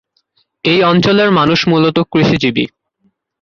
এই অঞ্চলের মানুষ মূলত কৃষিজীবী।